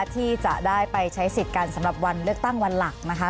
ที่จะได้ไปใช้สิทธิ์กันสำหรับวันเลือกตั้งวันหลักนะคะ